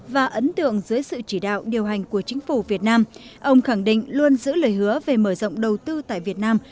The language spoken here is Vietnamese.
và ấn tượng dưới sự chỉ đạo điều hành của chính phủ việt nam ông khẳng định luôn giữ lời hứa về mở rộng đầu tư tại việt nam